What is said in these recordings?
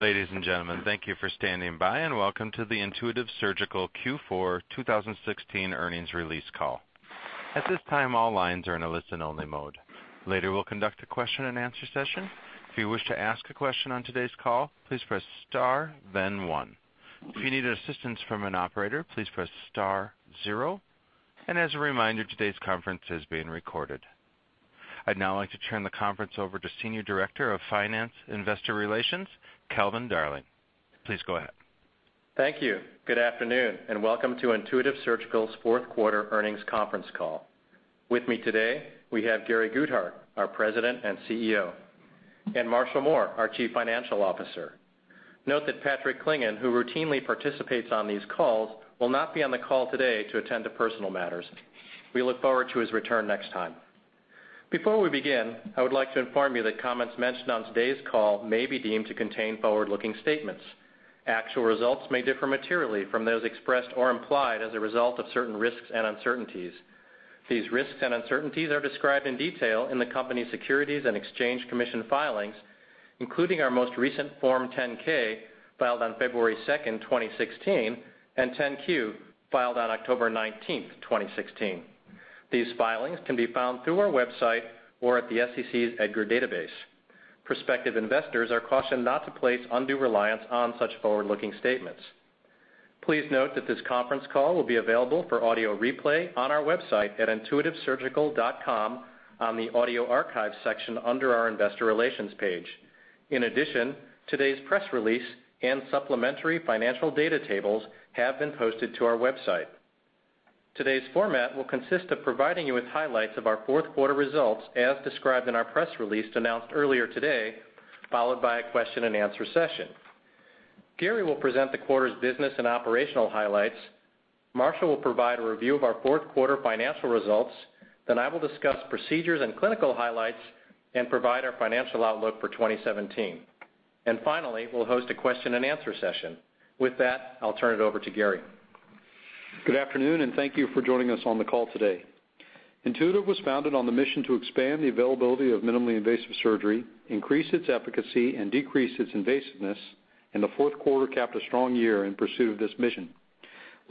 Ladies and gentlemen, thank you for standing by, welcome to the Intuitive Surgical Q4 2016 earnings release call. At this time, all lines are in a listen-only mode. Later, we'll conduct a question-and-answer session. If you wish to ask a question on today's call, please press star then one. If you need assistance from an operator, please press star-zero. As a reminder, today's conference is being recorded. I'd now like to turn the conference over to Senior Director of Finance Investor Relations, Calvin Darling. Please go ahead. Thank you. Good afternoon, welcome to Intuitive Surgical's fourth quarter earnings conference call. With me today, we have Gary Guthart, our President and CEO, and Marshall Mohr, our Chief Financial Officer. Note that Patrick Clingan, who routinely participates on these calls, will not be on the call today to attend to personal matters. We look forward to his return next time. Before we begin, I would like to inform you that comments mentioned on today's call may be deemed to contain forward-looking statements. Actual results may differ materially from those expressed or implied as a result of certain risks and uncertainties. These risks and uncertainties are described in detail in the company's Securities and Exchange Commission filings, including our most recent Form 10-K filed on February 2nd, 2016, and 10-Q, filed on October 19th, 2016. These filings can be found through our website or at the SEC's EDGAR database. Prospective investors are cautioned not to place undue reliance on such forward-looking statements. Please note that this conference call will be available for audio replay on our website at intuitivesurgical.com on the Audio Archives section under our Investor Relations page. In addition, today's press release and supplementary financial data tables have been posted to our website. Today's format will consist of providing you with highlights of our fourth quarter results, as described in our press release announced earlier today, followed by a question-and-answer session. Gary will present the quarter's business and operational highlights. Marshall will provide a review of our fourth quarter financial results. I will discuss procedures and clinical highlights and provide our financial outlook for 2017. Finally, we'll host a question-and-answer session. With that, I'll turn it over to Gary. Good afternoon, thank you for joining us on the call today. Intuitive was founded on the mission to expand the availability of minimally invasive surgery, increase its efficacy, and decrease its invasiveness in the fourth quarter, capped a strong year in pursuit of this mission,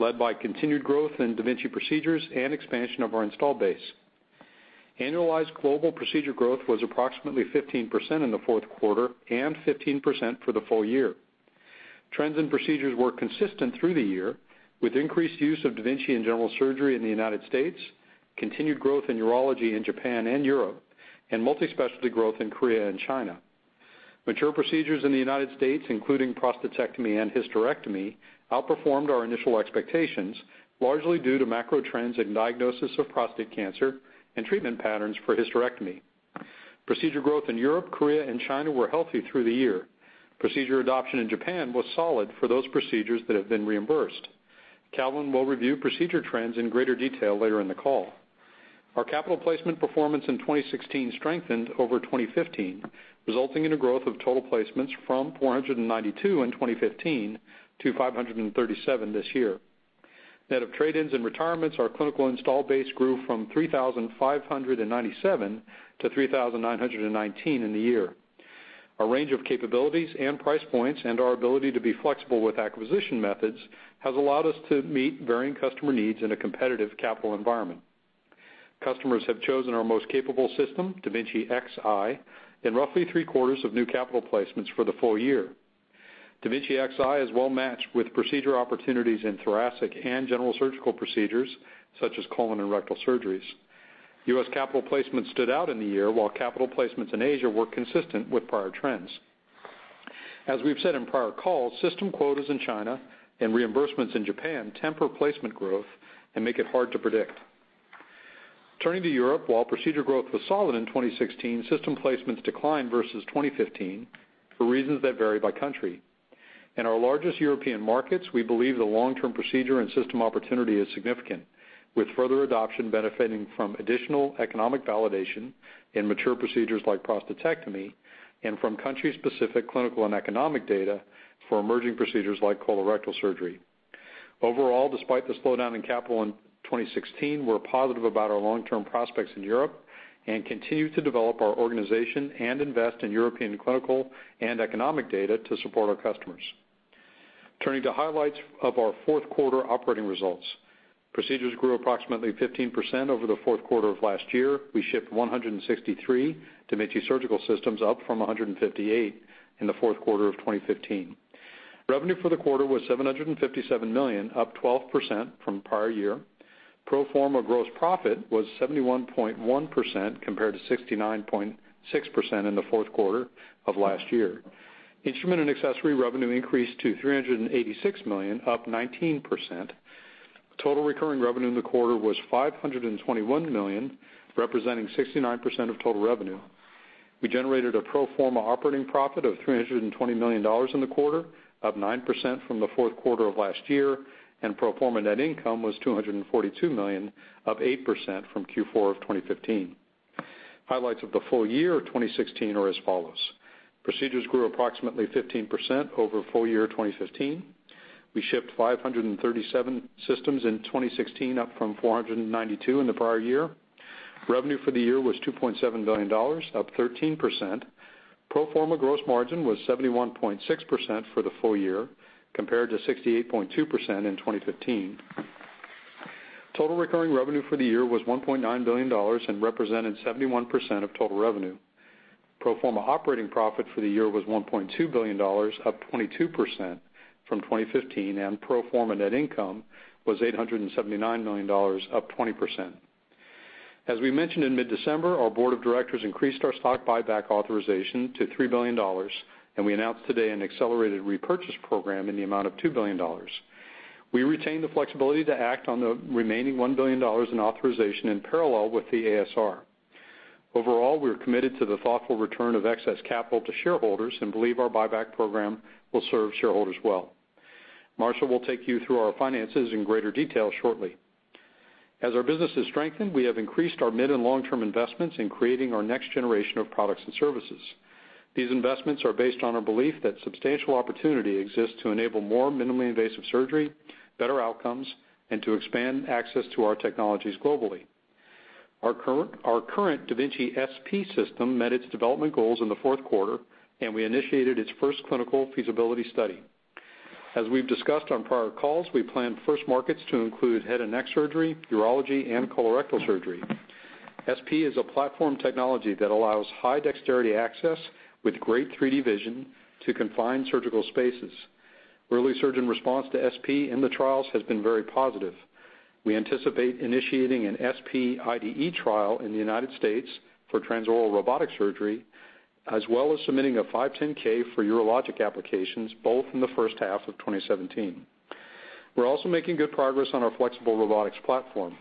led by continued growth in da Vinci procedures and expansion of our installed base. Annualized global procedure growth was approximately 15% in the fourth quarter and 15% for the full year. Trends and procedures were consistent through the year, with increased use of da Vinci in general surgery in the United States, continued growth in urology in Japan and Europe, and multi-specialty growth in Korea and China. Mature procedures in the United States, including prostatectomy and hysterectomy, outperformed our initial expectations, largely due to macro trends in diagnosis of prostate cancer and treatment patterns for hysterectomy. Procedure growth in Europe, Korea, and China were healthy through the year. Procedure adoption in Japan was solid for those procedures that have been reimbursed. Calvin will review procedure trends in greater detail later in the call. Our capital placement performance in 2016 strengthened over 2015, resulting in a growth of total placements from 492 in 2015 to 537 this year. Net of trade-ins and retirements, our clinical install base grew from 3,597 to 3,919 in the year. Our range of capabilities and price points, and our ability to be flexible with acquisition methods has allowed us to meet varying customer needs in a competitive capital environment. Customers have chosen our most capable system, da Vinci Xi, in roughly three-quarters of new capital placements for the full year. da Vinci Xi is well-matched with procedure opportunities in thoracic and general surgical procedures, such as colon and rectal surgeries. U.S. capital placements stood out in the year, while capital placements in Asia were consistent with prior trends. As we've said in prior calls, system quotas in China and reimbursements in Japan temper placement growth and make it hard to predict. Turning to Europe, while procedure growth was solid in 2016, system placements declined versus 2015 for reasons that vary by country. In our largest European markets, we believe the long-term procedure and system opportunity is significant, with further adoption benefiting from additional economic validation in mature procedures like prostatectomy and from country-specific clinical and economic data for emerging procedures like colorectal surgery. Overall, despite the slowdown in capital in 2016, we're positive about our long-term prospects in Europe and continue to develop our organization and invest in European clinical and economic data to support our customers. Turning to highlights of our fourth quarter operating results. Procedures grew approximately 15% over the fourth quarter of last year. We shipped 163 da Vinci surgical systems, up from 158 in the fourth quarter of 2015. Revenue for the quarter was $757 million, up 12% from prior year. Pro forma gross profit was 71.1% compared to 69.6% in the fourth quarter of last year. Instrument and accessory revenue increased to $386 million, up 19%. Total recurring revenue in the quarter was $521 million, representing 69% of total revenue. We generated a pro forma operating profit of $320 million in the quarter, up 9% from the fourth quarter of last year, and pro forma net income was $242 million, up 8% from Q4 of 2015. Highlights of the full year 2016 are as follows. Procedures grew approximately 15% over full year 2015. We shipped 537 systems in 2016, up from 492 in the prior year. Revenue for the year was $2.7 billion, up 13%. Pro forma gross margin was 71.6% for the full year, compared to 68.2% in 2015. Total recurring revenue for the year was $1.9 billion and represented 71% of total revenue. Pro forma operating profit for the year was $1.2 billion, up 22% from 2015, and pro forma net income was $879 million, up 20%. As we mentioned in mid-December, our board of directors increased our stock buyback authorization to $3 billion, and we announced today an accelerated repurchase program in the amount of $2 billion. We retain the flexibility to act on the remaining $1 billion in authorization in parallel with the ASR. Overall, we are committed to the thoughtful return of excess capital to shareholders and believe our buyback program will serve shareholders well. Marshall will take you through our finances in greater detail shortly. As our business has strengthened, we have increased our mid- and long-term investments in creating our next generation of products and services. These investments are based on our belief that substantial opportunity exists to enable more minimally invasive surgery, better outcomes, and to expand access to our technologies globally. Our current da Vinci SP system met its development goals in the fourth quarter, and we initiated its first clinical feasibility study. As we've discussed on prior calls, we plan first markets to include head and neck surgery, urology, and colorectal surgery. SP is a platform technology that allows high dexterity access with great 3D vision to confine surgical spaces. Early surgeon response to SP in the trials has been very positive. We anticipate initiating an SP IDE trial in the U.S. for transoral robotic surgery, as well as submitting a 510(k) for urologic applications, both in the first half of 2017. We're also making good progress on our flexible robotics platform.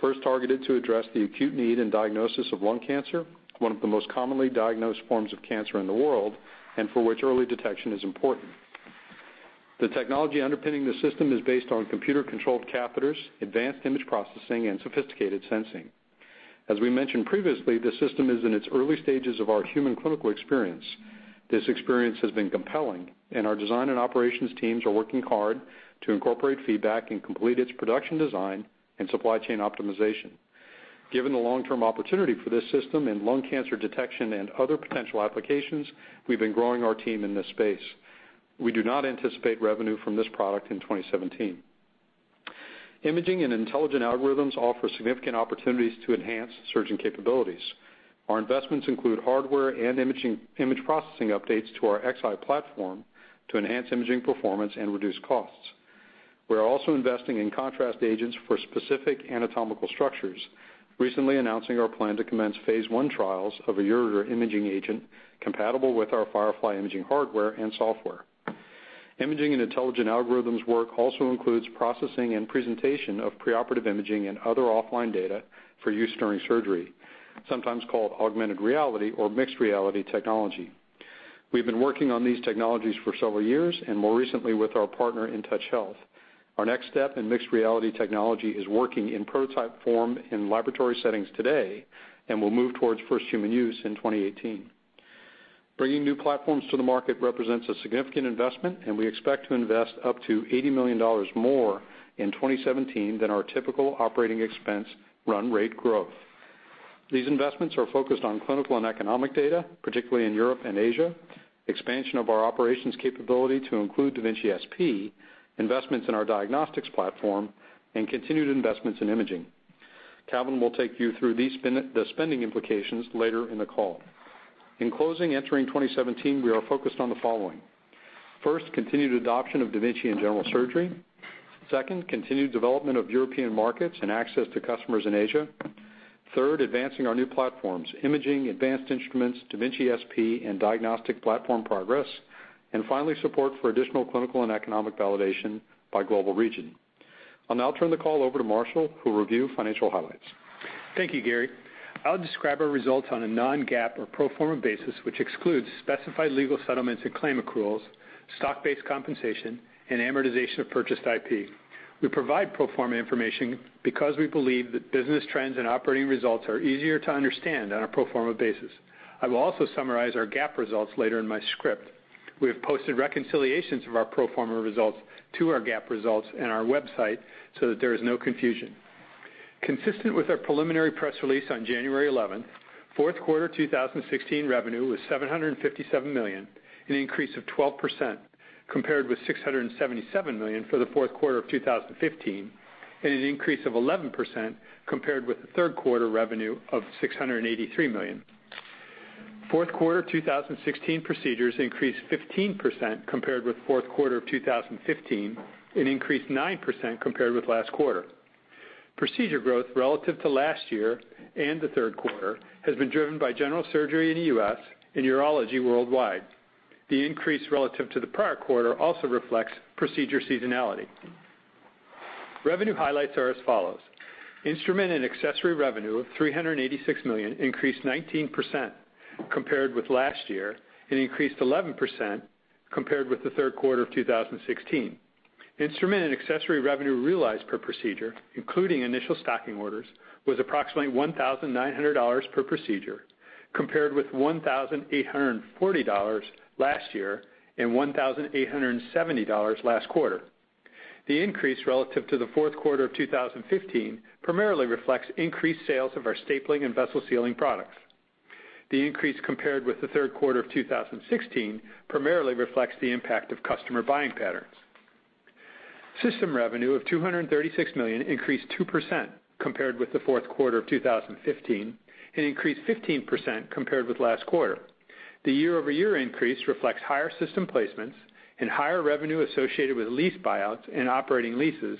First targeted to address the acute need in diagnosis of lung cancer, one of the most commonly diagnosed forms of cancer in the world, and for which early detection is important. The technology underpinning the system is based on computer-controlled catheters, advanced image processing, and sophisticated sensing. As we mentioned previously, this system is in its early stages of our human clinical experience. This experience has been compelling, and our design and operations teams are working hard to incorporate feedback and complete its production design and supply chain optimization. Given the long-term opportunity for this system in lung cancer detection and other potential applications, we've been growing our team in this space. We do not anticipate revenue from this product in 2017. Imaging and intelligent algorithms offer significant opportunities to enhance surgeon capabilities. Our investments include hardware and image processing updates to our XI platform to enhance imaging performance and reduce costs. We are also investing in contrast agents for specific anatomical structures, recently announcing our plan to commence phase I trials of a ureter imaging agent compatible with our Firefly imaging hardware and software. Imaging and intelligent algorithms work also includes processing and presentation of preoperative imaging and other offline data for use during surgery, sometimes called augmented reality or mixed reality technology. We've been working on these technologies for several years, and more recently with our partner InTouch Health. Our next step in mixed reality technology is working in prototype form in laboratory settings today and will move towards first human use in 2018. We expect to invest up to $80 million more in 2017 than our typical operating expense run rate growth. These investments are focused on clinical and economic data, particularly in Europe and Asia, expansion of our operations capability to include da Vinci SP, investments in our diagnostics platform, and continued investments in imaging. Calvin will take you through the spending implications later in the call. In closing, entering 2017, we are focused on the following. First, continued adoption of da Vinci in general surgery. Second, continued development of European markets and access to customers in Asia. Third, advancing our new platforms, imaging, advanced instruments, da Vinci SP, and diagnostic platform progress. Finally, support for additional clinical and economic validation by global region. I'll now turn the call over to Marshall Mohr, who will review financial highlights. Thank you, Gary Guthart. I'll describe our results on a non-GAAP or pro forma basis, which excludes specified legal settlements and claim accruals, stock-based compensation, and amortization of purchased IP. We provide pro forma information because we believe that business trends and operating results are easier to understand on a pro forma basis. I will also summarize our GAAP results later in my script. We have posted reconciliations of our pro forma results to our GAAP results in our website so that there is no confusion. Consistent with our preliminary press release on January 11th, fourth quarter 2016 revenue was $757 million, an increase of 12% compared with $677 million for the fourth quarter of 2015, an increase of 11% compared with the third quarter revenue of $683 million. Fourth quarter 2016 procedures increased 15% compared with fourth quarter of 2015 and increased 9% compared with last quarter. Procedure growth relative to last year and the third quarter has been driven by general surgery in the U.S. and urology worldwide. The increase relative to the prior quarter also reflects procedure seasonality. Revenue highlights are as follows. Instrument and accessory revenue of $386 million increased 19% compared with last year and increased 11% compared with the third quarter of 2016. Instrument and accessory revenue realized per procedure, including initial stocking orders, was approximately $1,900 per procedure, compared with $1,840 last year and $1,870 last quarter. The increase relative to the fourth quarter of 2015 primarily reflects increased sales of our stapling and vessel sealing products. The increase compared with the third quarter of 2016 primarily reflects the impact of customer buying patterns. System revenue of $236 million increased 2% compared with the fourth quarter of 2015, increased 15% compared with last quarter. The year-over-year increase reflects higher system placements and higher revenue associated with lease buyouts and operating leases,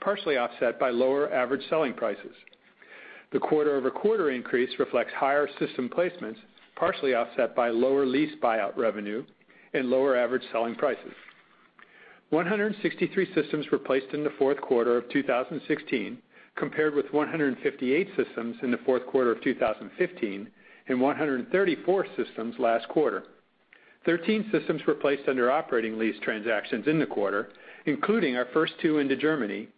partially offset by lower average selling prices. The quarter-over-quarter increase reflects higher system placements, partially offset by lower lease buyout revenue and lower average selling prices. 163 systems were placed in the fourth quarter of 2016, compared with 158 systems in the fourth quarter of 2015 and 134 systems last quarter. 13 systems were placed under operating lease transactions in the quarter, including our first two into Germany,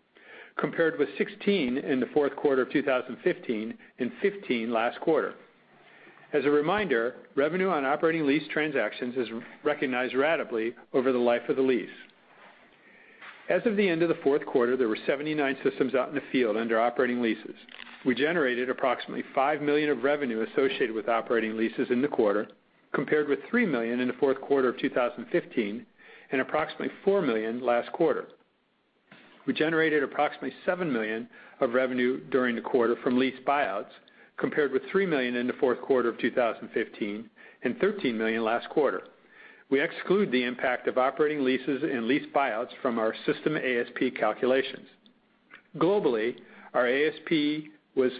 compared with 16 in the fourth quarter of 2015 and 15 last quarter. As a reminder, revenue on operating lease transactions is recognized ratably over the life of the lease. As of the end of the fourth quarter, there were 79 systems out in the field under operating leases. We generated approximately $5 million of revenue associated with operating leases in the quarter, compared with $3 million in the fourth quarter of 2015 and approximately $4 million last quarter. We generated approximately $7 million of revenue during the quarter from lease buyouts, compared with $3 million in the fourth quarter of 2015 and $13 million last quarter. We exclude the impact of operating leases and lease buyouts from our system ASP calculations. Globally, our ASP was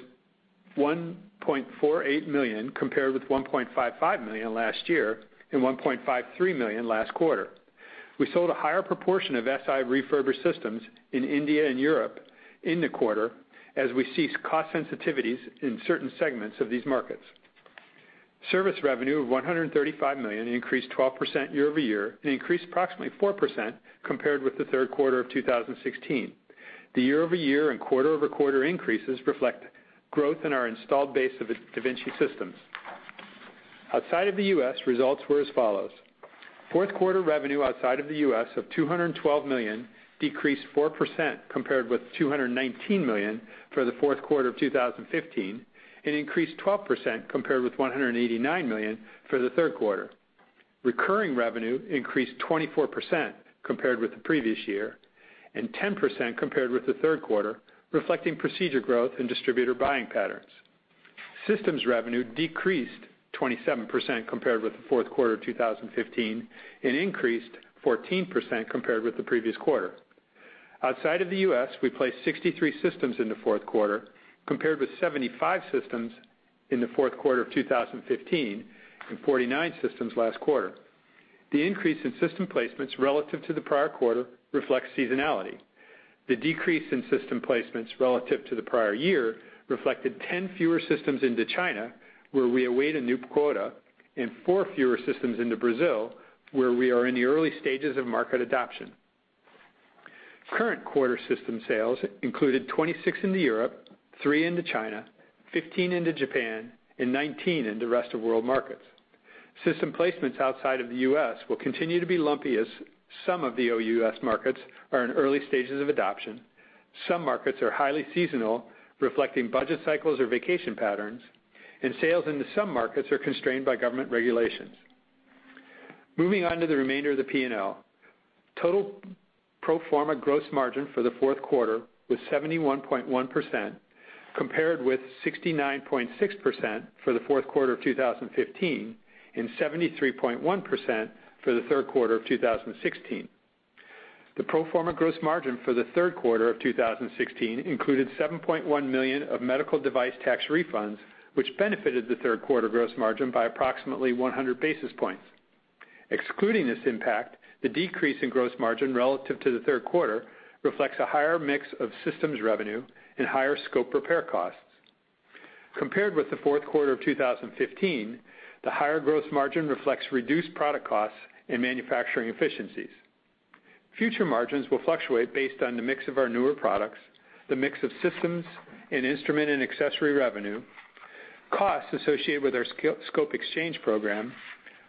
$1.48 million, compared with $1.55 million last year and $1.53 million last quarter. We sold a higher proportion of Si refurbished systems in India and Europe in the quarter, as we see cost sensitivities in certain segments of these markets. Service revenue of $135 million increased 12% year-over-year and increased approximately 4% compared with the third quarter of 2016. The year-over-year and quarter-over-quarter increases reflect growth in our installed base of da Vinci systems. Outside of the U.S., results were as follows. Fourth quarter revenue outside of the U.S. of $212 million decreased 4% compared with $219 million for the fourth quarter of 2015, and increased 12% compared with $189 million for the third quarter. Recurring revenue increased 24% compared with the previous year and 10% compared with the third quarter, reflecting procedure growth and distributor buying patterns. Systems revenue decreased 27% compared with the fourth quarter of 2015 and increased 14% compared with the previous quarter. Outside of the U.S., we placed 63 systems in the fourth quarter, compared with 75 systems in the fourth quarter of 2015 and 49 systems last quarter. The increase in system placements relative to the prior quarter reflects seasonality. The decrease in system placements relative to the prior year reflected 10 fewer systems into China, where we await a new quota, and four fewer systems into Brazil, where we are in the early stages of market adoption. Current quarter system sales included 26 into Europe, three into China, 15 into Japan, and 19 into rest-of-world markets. System placements outside of the U.S. will continue to be lumpy as some of the OUS markets are in early stages of adoption. Some markets are highly seasonal, reflecting budget cycles or vacation patterns, and sales into some markets are constrained by government regulations. Moving on to the remainder of the P&L. Total pro forma gross margin for the fourth quarter was 71.1%, compared with 69.6% for the fourth quarter of 2015 and 73.1% for the third quarter of 2016. The pro forma gross margin for the third quarter of 2016 included $7.1 million of medical device tax refunds, which benefited the third quarter gross margin by approximately 100 basis points. Excluding this impact, the decrease in gross margin relative to the third quarter reflects a higher mix of systems revenue and higher scope repair costs. Compared with the fourth quarter of 2015, the higher gross margin reflects reduced product costs and manufacturing efficiencies. Future margins will fluctuate based on the mix of our newer products, the mix of systems and instrument and accessory revenue, costs associated with our scope exchange program,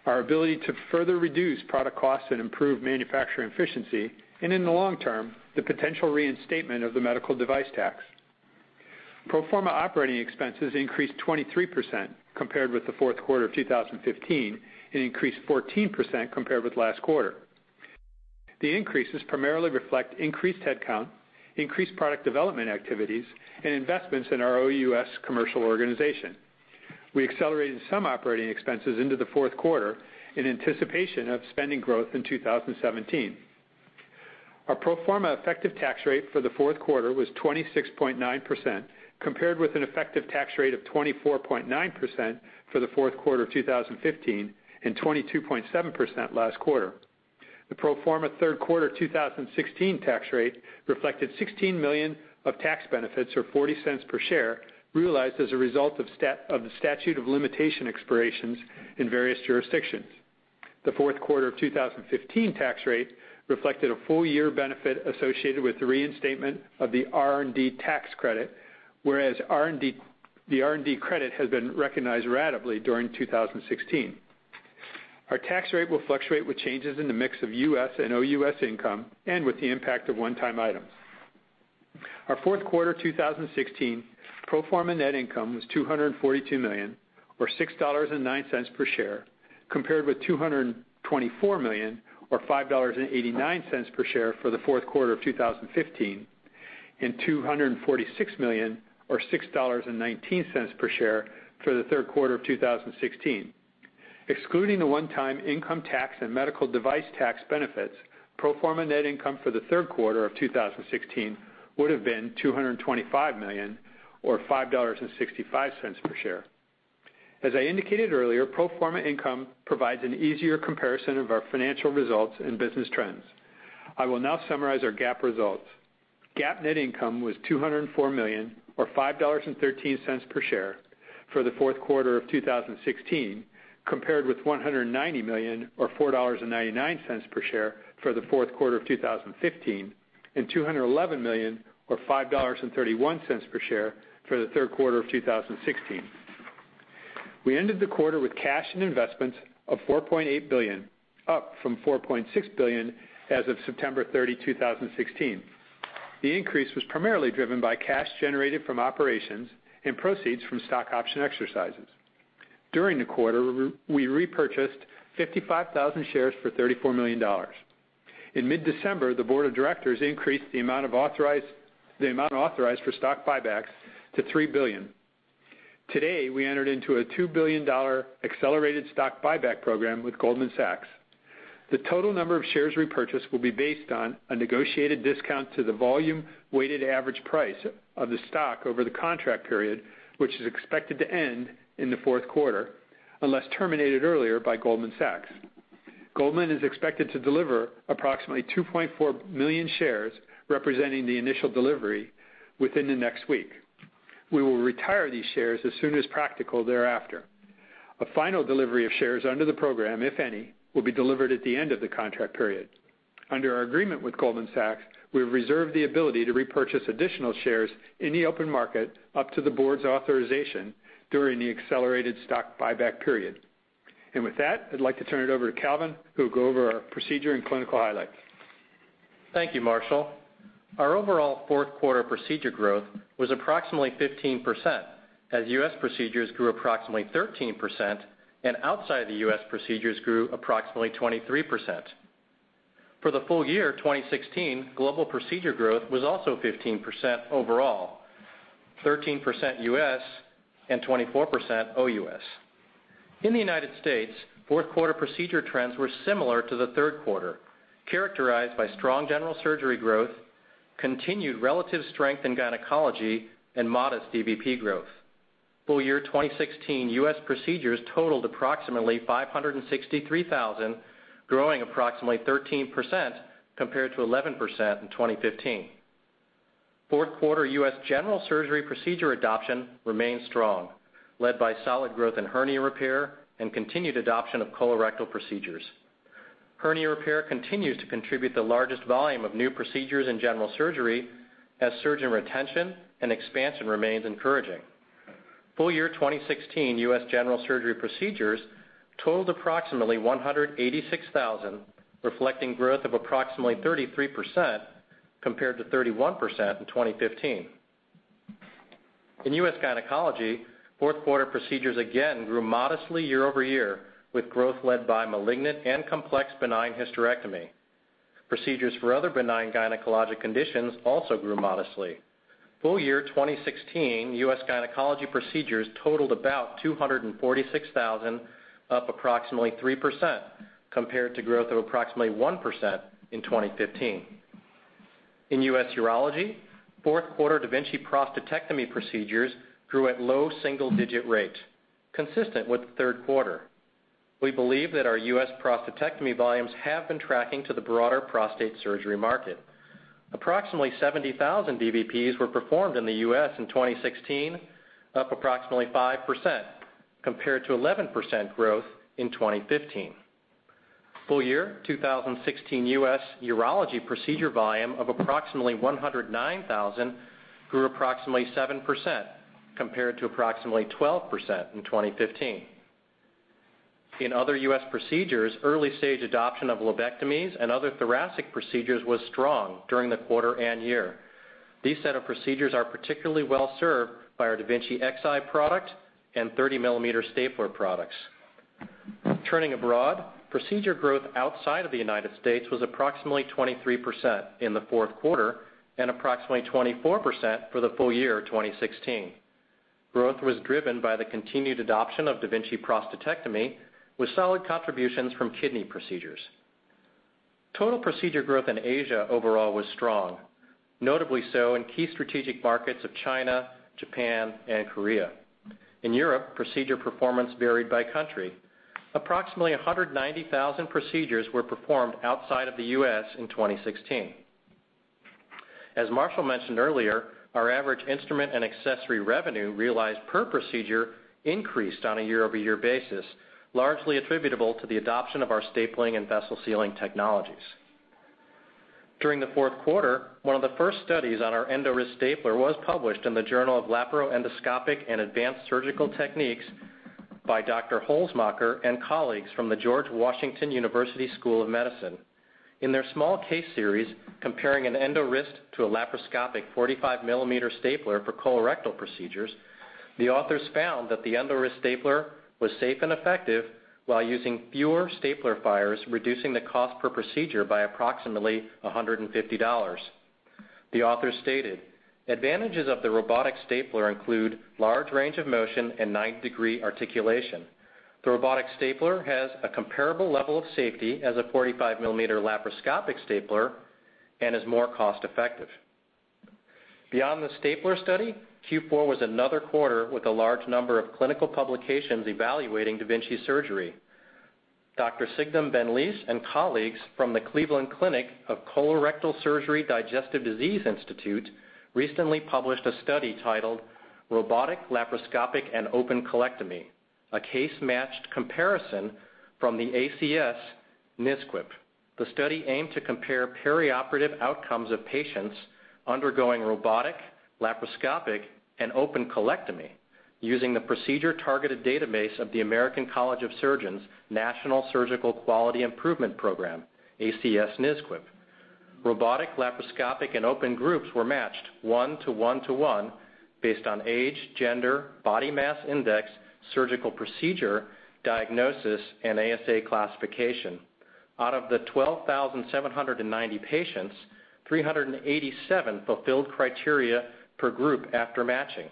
our ability to further reduce product costs and improve manufacturing efficiency, and in the long term, the potential reinstatement of the medical device tax. Pro forma operating expenses increased 23% compared with the fourth quarter of 2015, and increased 14% compared with last quarter. The increases primarily reflect increased headcount, increased product development activities, and investments in our OUS commercial organization. We accelerated some operating expenses into the fourth quarter in anticipation of spending growth in 2017. Our pro forma effective tax rate for the fourth quarter was 26.9%, compared with an effective tax rate of 24.9% for the fourth quarter of 2015 and 22.7% last quarter. The pro forma third quarter 2016 tax rate reflected $16 million of tax benefits, or $0.40 per share, realized as a result of the statute of limitation expirations in various jurisdictions. The fourth quarter of 2015 tax rate reflected a full year benefit associated with the reinstatement of the R&D tax credit, whereas the R&D credit has been recognized ratably during 2016. Our tax rate will fluctuate with changes in the mix of U.S. and OUS income and with the impact of one-time items. Our fourth quarter 2016 pro forma net income was $242 million, or $6.09 per share, compared with $224 million or $5.89 per share for the fourth quarter of 2015, and $246 million or $6.19 per share for the third quarter of 2016. Excluding the one-time income tax and medical device tax benefits, pro forma net income for the third quarter of 2016 would have been $225 million or $5.65 per share. As I indicated earlier, pro forma income provides an easier comparison of our financial results and business trends. I will now summarize our GAAP results. GAAP net income was $204 million, or $5.13 per share, for the fourth quarter of 2016, compared with $190 million or $4.99 per share for the fourth quarter of 2015, and $211 million or $5.31 per share for the third quarter of 2016. We ended the quarter with cash and investments of $4.8 billion, up from $4.6 billion as of September 30, 2016. The increase was primarily driven by cash generated from operations and proceeds from stock option exercises. During the quarter, we repurchased 55,000 shares for $34 million. In mid-December, the board of directors increased the amount authorized for stock buybacks to $3 billion. Today, we entered into a $2 billion accelerated stock buyback program with Goldman Sachs. The total number of shares repurchased will be based on a negotiated discount to the volume weighted average price of the stock over the contract period, which is expected to end in the fourth quarter, unless terminated earlier by Goldman Sachs. Goldman Sachs is expected to deliver approximately 2.4 million shares, representing the initial delivery within the next week. We will retire these shares as soon as practical thereafter. A final delivery of shares under the program, if any, will be delivered at the end of the contract period. Under our agreement with Goldman Sachs, we have reserved the ability to repurchase additional shares in the open market up to the board's authorization during the accelerated stock buyback period. With that, I'd like to turn it over to Calvin, who will go over our procedure and clinical highlights. Thank you, Marshall. Our overall fourth quarter procedure growth was approximately 15%, as U.S. procedures grew approximately 13%, and outside the U.S., procedures grew approximately 23%. For the full year 2016, global procedure growth was also 15% overall, 13% U.S., and 24% OUS. In the United States, fourth quarter procedure trends were similar to the third quarter, characterized by strong general surgery growth, continued relative strength in gynecology, and modest DVP growth. Full year 2016, U.S. procedures totaled approximately 563,000, growing approximately 13% compared to 11% in 2015. Fourth quarter U.S. general surgery procedure adoption remained strong, led by solid growth in hernia repair and continued adoption of colorectal procedures. Hernia repair continues to contribute the largest volume of new procedures in general surgery as surgeon retention and expansion remains encouraging. Full year 2016, U.S. general surgery procedures totaled approximately 186,000, reflecting growth of approximately 33% compared to 31% in 2015. In U.S. gynecology, fourth quarter procedures again grew modestly year-over-year, with growth led by malignant and complex benign hysterectomy. Procedures for other benign gynecologic conditions also grew modestly. Full year 2016, U.S. gynecology procedures totaled about 246,000, up approximately 3%, compared to growth of approximately 1% in 2015. In U.S. urology, fourth quarter da Vinci prostatectomy procedures grew at low single-digit rates, consistent with the third quarter. We believe that our U.S. prostatectomy volumes have been tracking to the broader prostate surgery market. Approximately 70,000 DVPs were performed in the U.S. in 2016, up approximately 5%, compared to 11% growth in 2015. Full year 2016, U.S. urology procedure volume of approximately 109,000 grew approximately 7%, compared to approximately 12% in 2015. In other U.S. procedures, early-stage adoption of lobectomies and other thoracic procedures was strong during the quarter and year. These set of procedures are particularly well-served by our da Vinci Xi product and 30-mm stapler products. Turning abroad, procedure growth outside of the United States was approximately 23% in the fourth quarter and approximately 24% for the full year 2016. Growth was driven by the continued adoption of da Vinci prostatectomy, with solid contributions from kidney procedures. Total procedure growth in Asia overall was strong, notably so in key strategic markets of China, Japan, and Korea. In Europe, procedure performance varied by country. Approximately 190,000 procedures were performed outside of the U.S. in 2016. As Marshall mentioned earlier, our average instrument and accessory revenue realized per procedure increased on a year-over-year basis, largely attributable to the adoption of our stapling and vessel-sealing technologies. During the fourth quarter, one of the first studies on our EndoWrist stapler was published in the Journal of Laparoendoscopic & Advanced Surgical Techniques by Dr. Holzmacher and colleagues from the George Washington University School of Medicine. In their small case series comparing an EndoWrist to a laparoscopic 45-mm stapler for colorectal procedures, the authors found that the EndoWrist stapler was safe and effective while using fewer stapler fires, reducing the cost per procedure by approximately $150. The author stated, "Advantages of the robotic stapler include large range of motion and 90-degree articulation. The robotic stapler has a comparable level of safety as a 45-mm laparoscopic stapler and is more cost-effective." Beyond the stapler study, Q4 was another quarter with a large number of clinical publications evaluating da Vinci surgery. Dr. Cigdem Benlice and colleagues from the Cleveland Clinic Digestive Disease and Surgery Institute recently published a study titled "Robotic Laparoscopic and Open Colectomy: A Case-Matched Comparison From the ACS NSQIP." The study aimed to compare perioperative outcomes of patients undergoing robotic, laparoscopic, and open colectomy using the procedure-targeted database of the American College of Surgeons National Surgical Quality Improvement Program, ACS NSQIP. Robotic, laparoscopic, and open groups were matched one to one to one based on age, gender, body mass index, surgical procedure, diagnosis, and ASA classification. Out of the 12,790 patients, 387 fulfilled criteria per group after matching.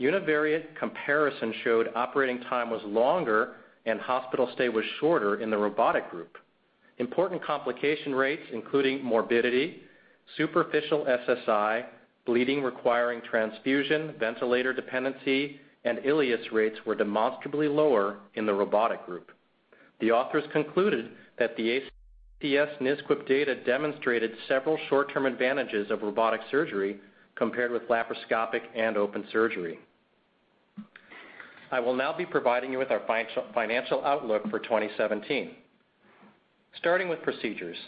Univariate comparison showed operating time was longer and hospital stay was shorter in the robotic group. Important complication rates, including morbidity, superficial SSI, bleeding requiring transfusion, ventilator dependency, and ileus rates, were demonstrably lower in the robotic group. The authors concluded that the ACS NSQIP data demonstrated several short-term advantages of robotic surgery compared with laparoscopic and open surgery. I will now be providing you with our financial outlook for 2017. Starting with procedures.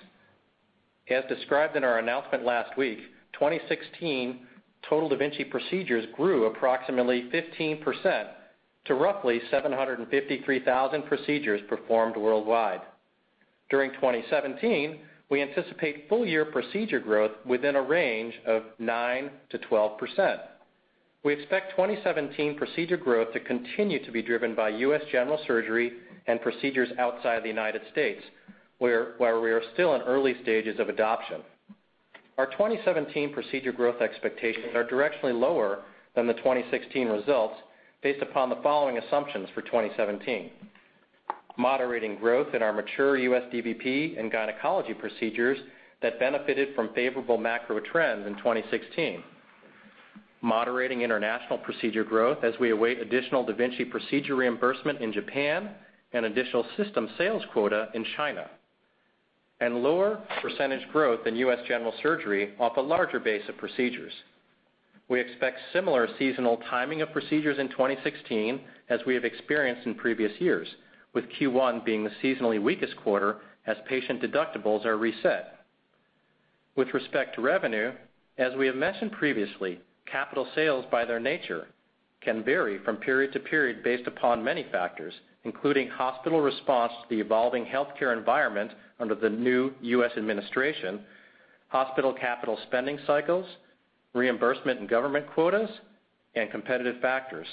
As described in our announcement last week, 2016 total da Vinci procedures grew approximately 15% to roughly 753,000 procedures performed worldwide. During 2017, we anticipate full-year procedure growth within a range of 9%-12%. We expect 2017 procedure growth to continue to be driven by U.S. general surgery and procedures outside the United States, where we are still in early stages of adoption. Our 2017 procedure growth expectations are directionally lower than the 2016 results based upon the following assumptions for 2017. Moderating growth in our mature U.S. DVP and gynecology procedures that benefited from favorable macro trends in 2016. Moderating international procedure growth as we await additional da Vinci procedure reimbursement in Japan and additional system sales quota in China. Lower percentage growth in U.S. general surgery off a larger base of procedures. We expect similar seasonal timing of procedures in 2016 as we have experienced in previous years, with Q1 being the seasonally weakest quarter as patient deductibles are reset. With respect to revenue, as we have mentioned previously, capital sales by their nature can vary from period to period based upon many factors, including hospital response to the evolving healthcare environment under the new U.S. administration, hospital capital spending cycles, reimbursement and government quotas, and competitive factors.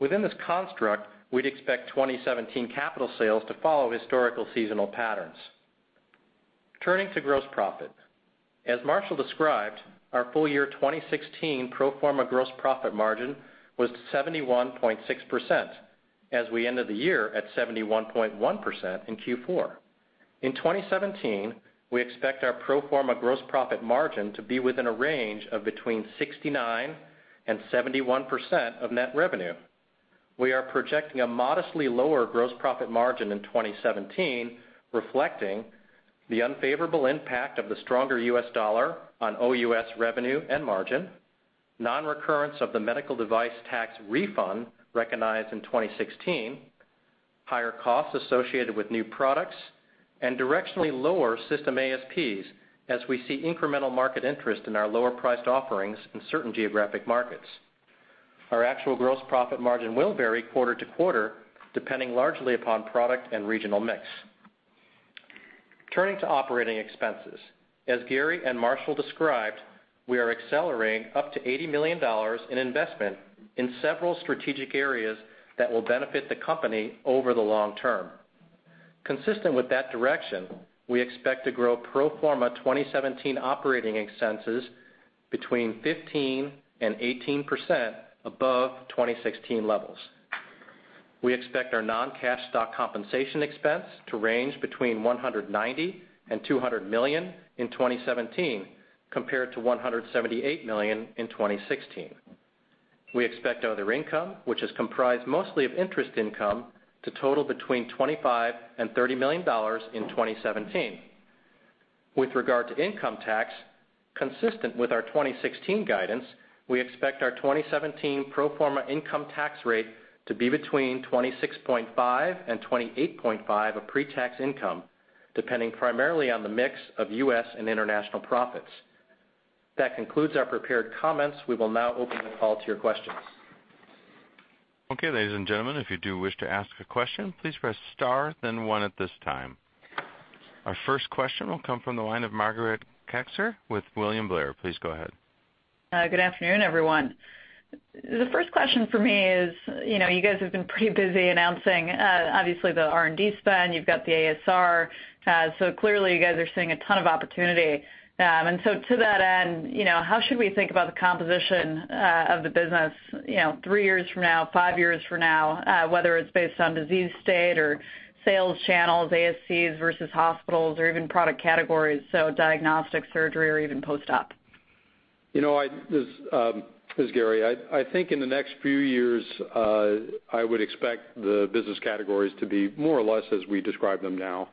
Within this construct, we'd expect 2017 capital sales to follow historical seasonal patterns. Turning to gross profit. As Marshall described, our full-year 2016 pro forma gross profit margin was 71.6%, as we ended the year at 71.1% in Q4. In 2017, we expect our pro forma gross profit margin to be within a range of between 69% and 71% of net revenue. We are projecting a modestly lower gross profit margin in 2017, reflecting the unfavorable impact of the stronger U.S. dollar on OUS revenue and margin, non-recurrence of the medical device tax refund recognized in 2016, higher costs associated with new products, and directionally lower system ASPs as we see incremental market interest in our lower-priced offerings in certain geographic markets. Our actual gross profit margin will vary quarter to quarter, depending largely upon product and regional mix. Turning to operating expenses. As Gary and Marshall described, we are accelerating up to $80 million in investment in several strategic areas that will benefit the company over the long term. Consistent with that direction, we expect to grow pro forma 2017 operating expenses between 15% and 18% above 2016 levels. We expect our non-cash stock compensation expense to range between $190 million and $200 million in 2017, compared to $178 million in 2016. We expect other income, which is comprised mostly of interest income, to total between $25 million and $30 million in 2017. With regard to income tax Consistent with our 2016 guidance, we expect our 2017 pro forma income tax rate to be between 26.5% and 28.5% of pre-tax income, depending primarily on the mix of U.S. and international profits. That concludes our prepared comments. We will now open the call to your questions. Okay, ladies and gentlemen, if you do wish to ask a question, please press star then one at this time. Our first question will come from the line of Margaret Kaczor with William Blair. Please go ahead. Good afternoon, everyone. The first question for me is, you guys have been pretty busy announcing, obviously the R&D spend. You've got the ASR. Clearly you guys are seeing a ton of opportunity. To that end, how should we think about the composition of the business three years from now, five years from now, whether it's based on disease state or sales channels, ASCs versus hospitals or even product categories, diagnostic surgery or even post-op? This is Gary Guthart. In the next few years, I would expect the business categories to be more or less as we describe them now.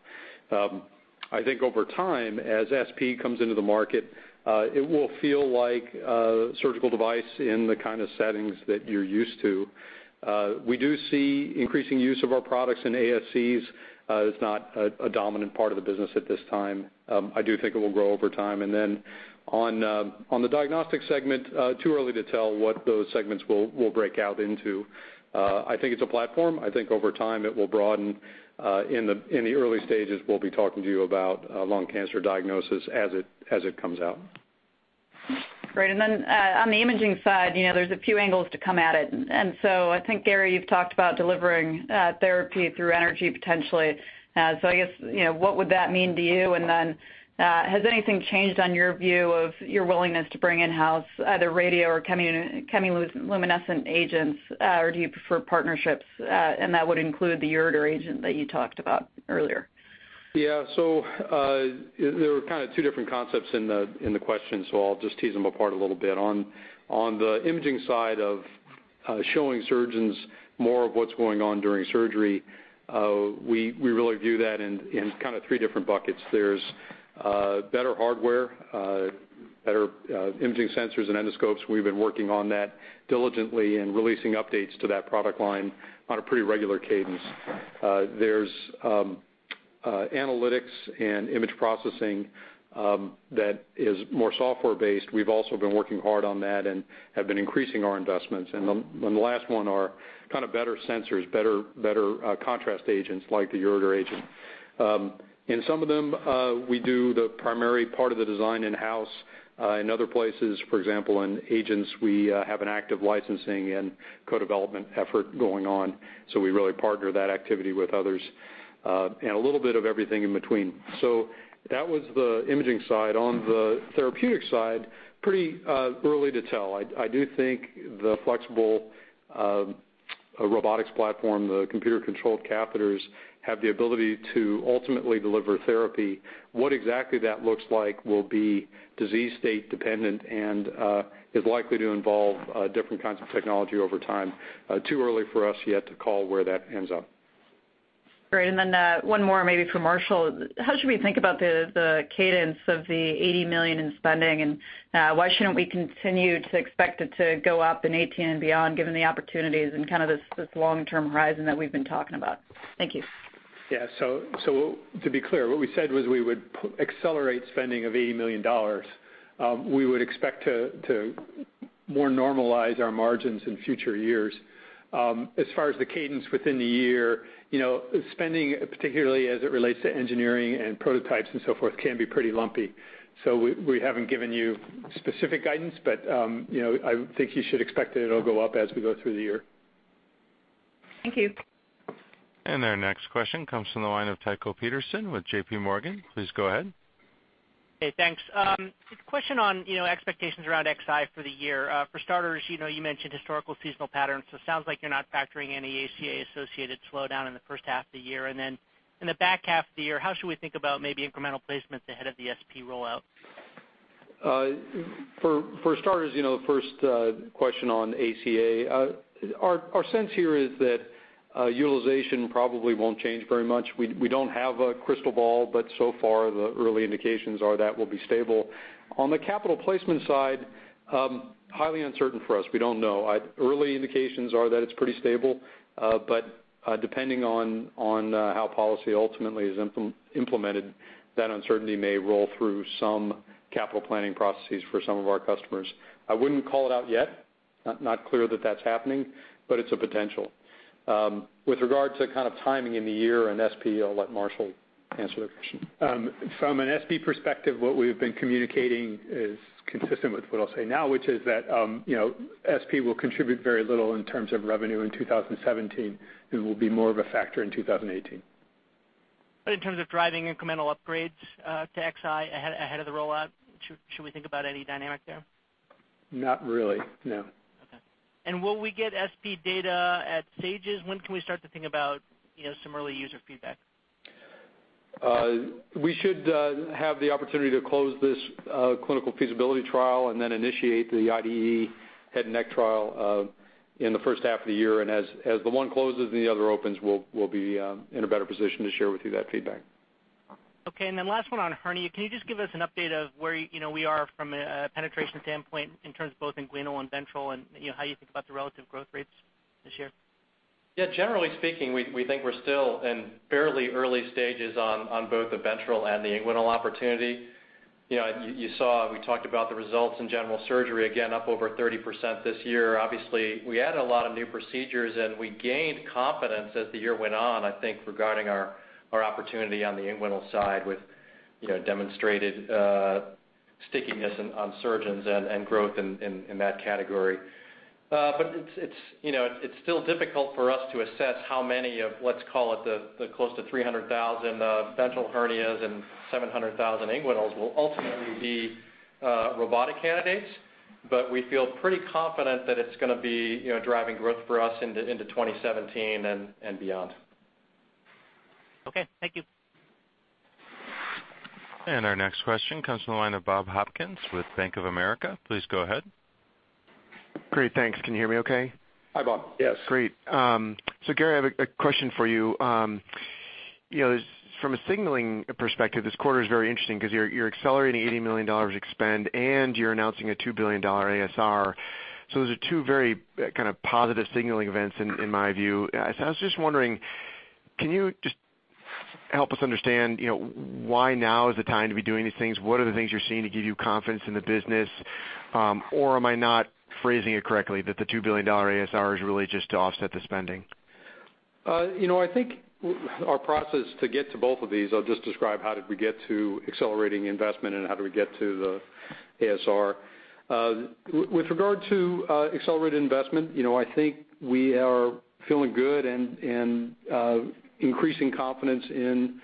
I think over time, as SP comes into the market, it will feel like a surgical device in the kind of settings that you're used to. We do see increasing use of our products in ASCs, it's not a dominant part of the business at this time. I do think it will grow over time. On the diagnostic segment, too early to tell what those segments will break out into. I think it's a platform. I think over time it will broaden. In the early stages, we'll be talking to you about lung cancer diagnosis as it comes out. Great. On the imaging side, there's a few angles to come at it. I think, Gary Guthart, you've talked about delivering therapy through energy potentially. I guess, what would that mean to you? Has anything changed on your view of your willingness to bring in-house either radio or chemiluminescent agents? Do you prefer partnerships? That would include the ureter agent that you talked about earlier. There were kind of two different concepts in the question, so I'll just tease them apart a little bit. On the imaging side of showing surgeons more of what's going on during surgery, we really view that in kind of three different buckets. There's better hardware, better imaging sensors and endoscopes. We've been working on that diligently and releasing updates to that product line on a pretty regular cadence. There's analytics and image processing that is more software based. We've also been working hard on that and have been increasing our investments. The last one are kind of better sensors, better contrast agents like the ureter agent. In some of them, we do the primary part of the design in-house. In other places, for example, in agents, we have an active licensing and co-development effort going on, so we really partner that activity with others, and a little bit of everything in between. That was the imaging side. On the therapeutic side, pretty early to tell. I do think the flexible robotics platform, the computer controlled catheters, have the ability to ultimately deliver therapy. What exactly that looks like will be disease state dependent and is likely to involve different kinds of technology over time. Too early for us yet to call where that ends up. Great. Then, one more maybe for Marshall. How should we think about the cadence of the $80 million in spending, and why shouldn't we continue to expect it to go up in 2018 and beyond, given the opportunities and kind of this long-term horizon that we've been talking about? Thank you. To be clear, what we said was we would accelerate spending of $80 million. We would expect to more normalize our margins in future years. As far as the cadence within the year, spending, particularly as it relates to engineering and prototypes and so forth, can be pretty lumpy. We haven't given you specific guidance, but I think you should expect that it'll go up as we go through the year. Thank you. Our next question comes from the line of Tycho Peterson with JPMorgan. Please go ahead. Thanks. Question on expectations around Xi for the year. For starters, it sounds like you're not factoring any ACA associated slowdown in the first half of the year. In the back half of the year, how should we think about maybe incremental placements ahead of the SP rollout? For starters, first question on ACA. Our sense here is that utilization probably won't change very much. We don't have a crystal ball, so far the early indications are that will be stable. On the capital placement side, highly uncertain for us. We don't know. Early indications are that it's pretty stable. Depending on how policy ultimately is implemented, that uncertainty may roll through some capital planning processes for some of our customers. I wouldn't call it out yet. Not clear that that's happening, but it's a potential. With regard to timing in the year on SP, I'll let Marshall answer that question. From an SP perspective, what we've been communicating is consistent with what I'll say now, which is that SP will contribute very little in terms of revenue in 2017. It will be more of a factor in 2018. In terms of driving incremental upgrades to Xi ahead of the rollout, should we think about any dynamic there? Not really, no. Will we get SP data at stages? When can we start to think about some early user feedback? We should have the opportunity to close this clinical feasibility trial then initiate the IDE head and neck trial in the first half of the year. As the one closes and the other opens, we will be in a better position to share with you that feedback. Okay. Last one on hernia. Can you just give us an update of where we are from a penetration standpoint in terms of both inguinal and ventral and how you think about the relative growth rates this year? Yeah, generally speaking, we think we're still in fairly early stages on both the ventral and the inguinal opportunity. You saw we talked about the results in general surgery, again, up over 30% this year. We added a lot of new procedures, and we gained confidence as the year went on, I think, regarding our opportunity on the inguinal side with demonstrated stickiness on surgeons and growth in that category. It's still difficult for us to assess how many of, let's call it, the close to 300,000 ventral hernias and 700,000 inguinals will ultimately be robotic candidates. We feel pretty confident that it's going to be driving growth for us into 2017 and beyond. Okay, thank you. Our next question comes from the line of Bob Hopkins with Bank of America. Please go ahead. Great. Thanks. Can you hear me okay? Hi, Bob. Yes. Great. Gary, I have a question for you. From a signaling perspective, this quarter is very interesting because you're accelerating $80 million spend, and you're announcing a $2 billion ASR. Those are two very kind of positive signaling events in my view. I was just wondering, can you just help us understand why now is the time to be doing these things? What are the things you're seeing that give you confidence in the business, or am I not phrasing it correctly, that the $2 billion ASR is really just to offset the spending? I think our process to get to both of these, I'll just describe how did we get to accelerating investment and how did we get to the ASR. With regard to accelerated investment, I think we are feeling good and increasing confidence in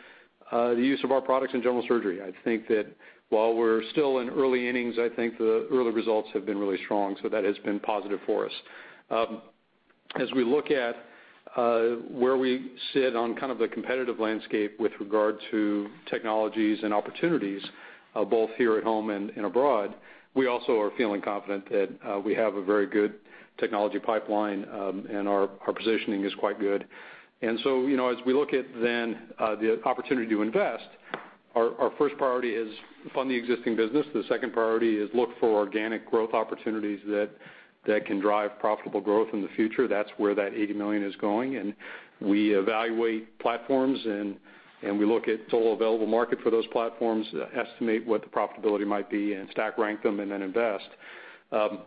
the use of our products in general surgery. I think that while we're still in early innings, I think the early results have been really strong, that has been positive for us. As we look at where we sit on kind of the competitive landscape with regard to technologies and opportunities, both here at home and abroad, we also are feeling confident that we have a very good technology pipeline, and our positioning is quite good. As we look at then the opportunity to invest, our first priority is fund the existing business. The second priority is look for organic growth opportunities that can drive profitable growth in the future. That's where that $80 million is going. We evaluate platforms and we look at total available market for those platforms, estimate what the profitability might be, and stack rank them, and then invest.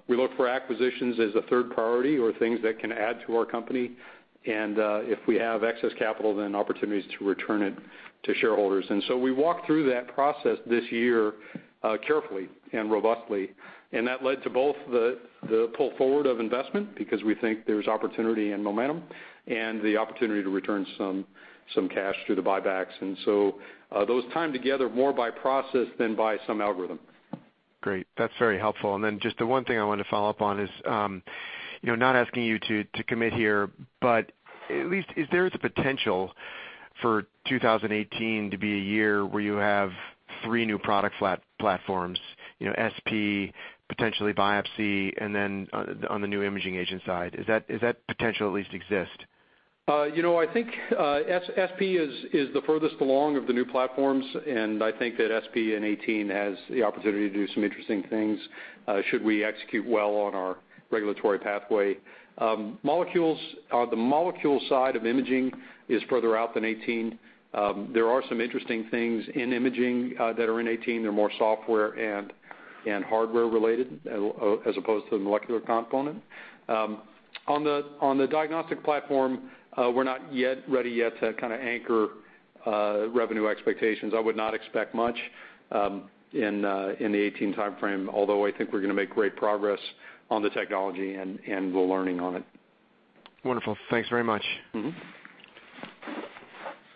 We look for acquisitions as a third priority or things that can add to our company. If we have excess capital, then opportunities to return it to shareholders. We walked through that process this year carefully and robustly, and that led to both the pull forward of investment because we think there's opportunity and momentum, and the opportunity to return some cash through the buybacks. Those timed together more by process than by some algorithm. Great. That's very helpful. Just the one thing I wanted to follow up on is, not asking you to commit here, but at least is there the potential for 2018 to be a year where you have three new product platforms, SP, potentially biopsy, and on the new imaging agent side? Does that potential at least exist? I think SP is the furthest along of the new platforms. I think that SP in 2018 has the opportunity to do some interesting things should we execute well on our regulatory pathway. The molecule side of imaging is further out than 2018. There are some interesting things in imaging that are in 2018. They're more software and hardware related as opposed to the molecular component. On the diagnostic platform, we're not yet ready to kind of anchor revenue expectations. I would not expect much in the 2018 timeframe, although I think we're going to make great progress on the technology and the learning on it. Wonderful. Thanks very much.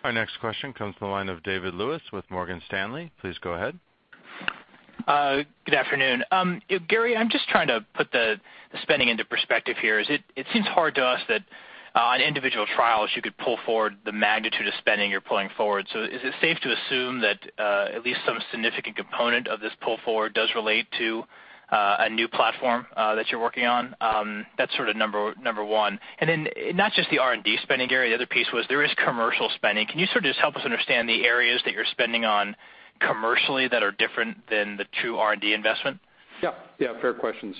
Our next question comes from the line of David Lewis with Morgan Stanley. Please go ahead. Good afternoon. Gary, I'm just trying to put the spending into perspective here. It seems hard to us that on individual trials, you could pull forward the magnitude of spending you're pulling forward. Is it safe to assume that at least some significant component of this pull forward does relate to a new platform that you're working on? That's sort of number one. Not just the R&D spending, Gary, the other piece was there is commercial spending. Can you sort of just help us understand the areas that you're spending on commercially that are different than the two R&D investment? Yeah. Fair questions.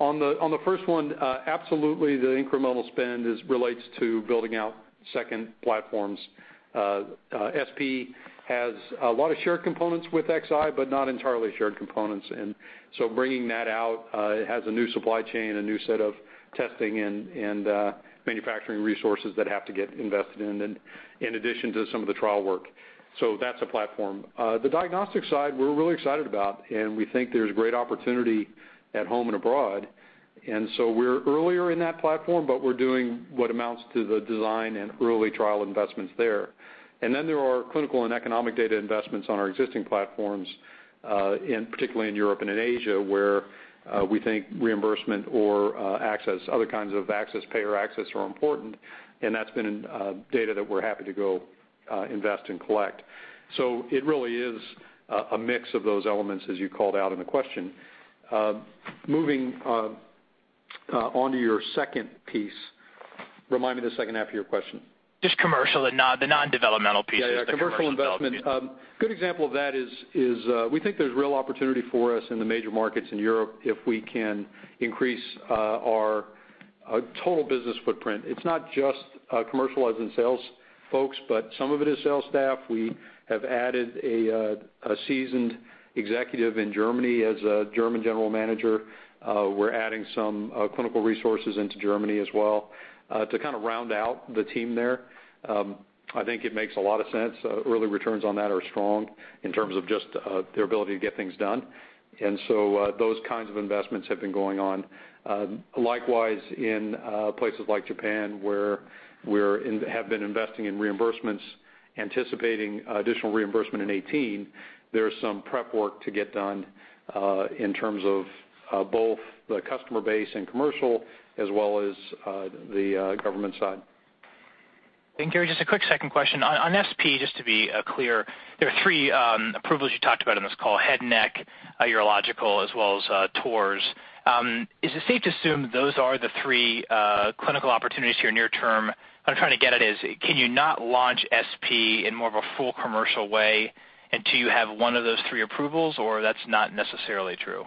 On the first one, absolutely the incremental spend relates to building out second platforms. SP has a lot of shared components with Xi, but not entirely shared components. Bringing that out, it has a new supply chain, a new set of testing and manufacturing resources that have to get invested in addition to some of the trial work. That's a platform. The diagnostic side, we're really excited about, and we think there's great opportunity at home and abroad. We're earlier in that platform, but we're doing what amounts to the design and early trial investments there. There are clinical and economic data investments on our existing platforms, particularly in Europe and in Asia, where we think reimbursement or other kinds of payer access are important, and that's been data that we're happy to go invest and collect. A mix of those elements, as you called out in the question. Moving on to your second piece. Remind me the second half of your question. Just commercial, the non-developmental pieces. Yeah. Commercial investment. Good example of that is we think there's real opportunity for us in the major markets in Europe if we can increase our total business footprint. It's not just commercial as in sales folks, but some of it is sales staff. We have added a seasoned executive in Germany as a German general manager. We're adding some clinical resources into Germany as well to kind of round out the team there. I think it makes a lot of sense. Early returns on that are strong in terms of just their ability to get things done. Those kinds of investments have been going on. Likewise, in places like Japan, where we have been investing in reimbursements, anticipating additional reimbursement in 2018, there's some prep work to get done, in terms of both the customer base and commercial as well as the government side. Thank you. Just a quick second question. On SP, just to be clear, there are three approvals you talked about on this call, head and neck, urological, as well as TORS. Is it safe to assume those are the three clinical opportunities here near term? What I'm trying to get at is, can you not launch SP in more of a full commercial way until you have one of those three approvals, or that's not necessarily true?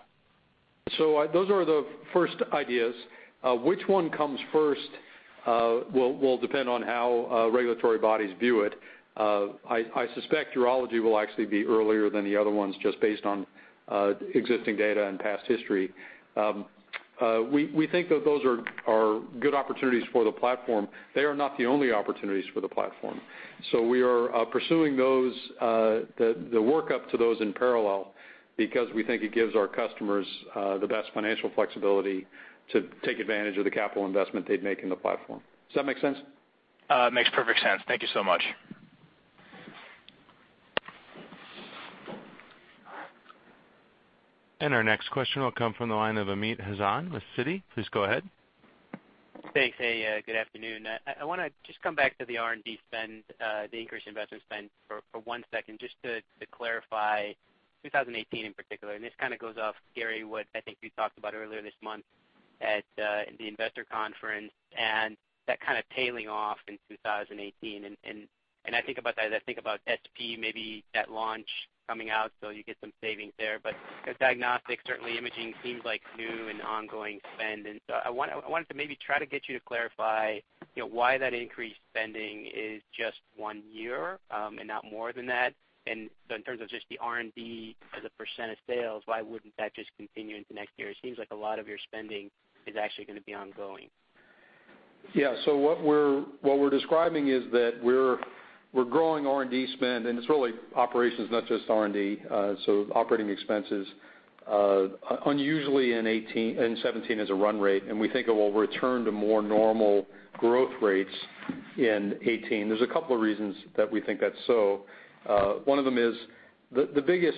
Those are the first ideas. Which one comes first will depend on how regulatory bodies view it. I suspect urology will actually be earlier than the other ones, just based on existing data and past history. We think that those are good opportunities for the platform. They are not the only opportunities for the platform. We are pursuing the workup to those in parallel because we think it gives our customers the best financial flexibility to take advantage of the capital investment they'd make in the platform. Does that make sense? Makes perfect sense. Thank you so much. Our next question will come from the line of Amit Hazan with Citi. Please go ahead. Thanks. Hey, good afternoon. I want to just come back to the R&D spend, the increased investment spend for one second, just to clarify 2018 in particular. This kind of goes off, Gary, what I think you talked about earlier this month at the investor conference and that kind of tailing off in 2018. I think about that as I think about SP, maybe that launch coming out, so you get some savings there. Diagnostics, certainly imaging seems like new and ongoing spend. I wanted to maybe try to get you to clarify why that increased spending is just one year and not more than that. In terms of just the R&D as a % of sales, why wouldn't that just continue into next year? It seems like a lot of your spending is actually going to be ongoing. Yeah. What we're describing is that we're growing R&D spend, and it's really operations, not just R&D, operating expenses unusually in 2017 as a run rate, and we think it will return to more normal growth rates in 2018. There's a couple of reasons that we think that's so. One of them is the biggest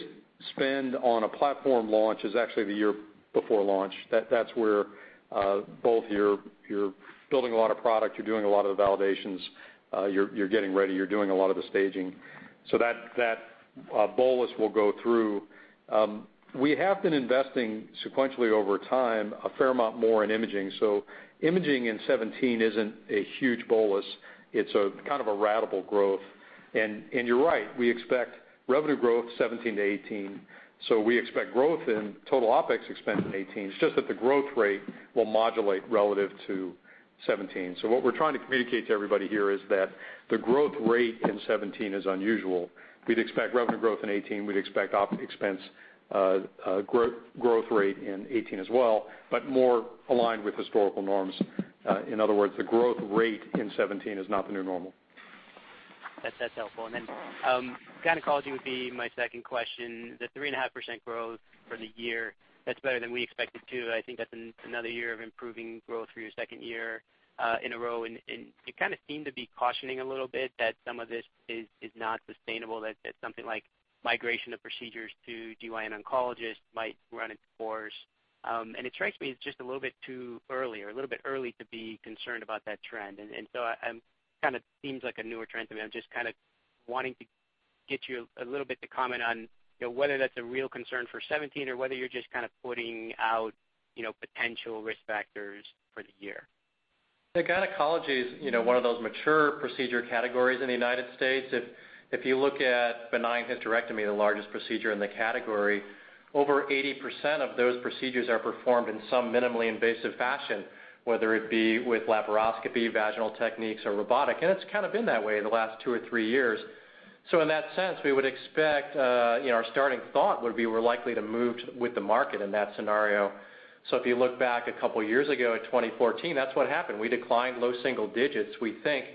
spend on a platform launch is actually the year before launch. That's where both you're building a lot of product, you're doing a lot of the validations, you're getting ready, you're doing a lot of the staging. That bolus will go through. We have been investing sequentially over time, a fair amount more in imaging. Imaging in 2017 isn't a huge bolus. It's kind of a ratable growth. You're right, we expect revenue growth 2017-2018. We expect growth in total OpEx expense in 2018, it's just that the growth rate will modulate relative to 2017. What we're trying to communicate to everybody here is that the growth rate in 2017 is unusual. We'd expect revenue growth in 2018. We'd expect Op expense growth rate in 2018 as well, but more aligned with historical norms. In other words, the growth rate in 2017 is not the new normal. That's helpful. Gynecology would be my second question. The 3.5% growth for the year, that's better than we expected, too. I think that's another year of improving growth for your second year in a row. You kind of seem to be cautioning a little bit that some of this is not sustainable, that something like migration of procedures to GYN oncologists might run its course. It strikes me as just a little bit too early, or a little bit early to be concerned about that trend. It kind of seems like a newer trend to me. I'm just kind of wanting to get you a little bit to comment on whether that's a real concern for 2017 or whether you're just kind of putting out potential risk factors for the year. The gynecology is one of those mature procedure categories in the United States. If you look at benign hysterectomy, the largest procedure in the category, over 80% of those procedures are performed in some minimally invasive fashion, whether it be with laparoscopy, vaginal techniques, or robotic. It's kind of been that way the last two or three years. In that sense, we would expect our starting thought would be we're likely to move with the market in that scenario. If you look back a couple of years ago at 2014, that's what happened. We declined low single digits. We think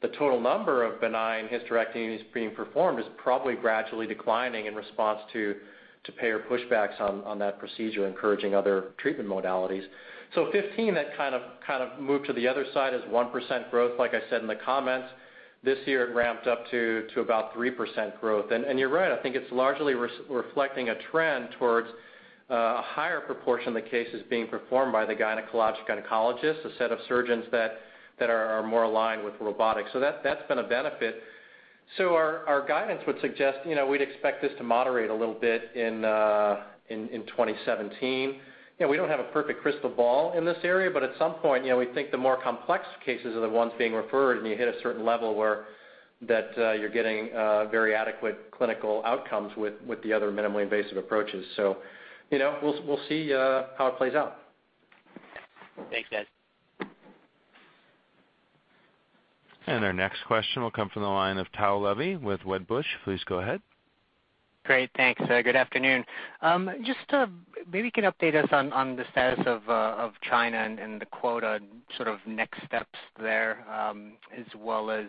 the total number of benign hysterectomies being performed is probably gradually declining in response to payer pushbacks on that procedure, encouraging other treatment modalities. 2015, that kind of moved to the other side as 1% growth, like I said in the comments. This year it ramped up to about 3% growth. You're right, I think it's largely reflecting a trend towards a higher proportion of the cases being performed by the gynecologic oncologist, a set of surgeons that are more aligned with robotics. That's been a benefit. Our guidance would suggest we'd expect this to moderate a little bit in 2017. We don't have a perfect crystal ball in this area, but at some point, we think the more complex cases are the ones being referred, and you hit a certain level where you're getting very adequate clinical outcomes with the other minimally invasive approaches. We'll see how it plays out. Thanks, Gary. Our next question will come from the line of Tao Levy with Wedbush. Please go ahead. Great. Thanks. Good afternoon. Just maybe you can update us on the status of China and the quota next steps there, as well as